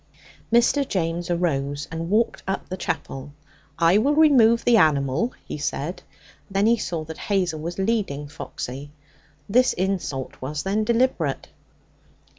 Mr. James arose and walked up the chapel. 'I will remove the animal' he said; then he saw that Hazel was leading Foxy. This insult was, then, deliberate.